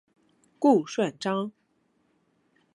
顾顺章。